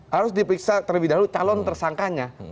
harus diperiksa terlebih dahulu calon tersangkanya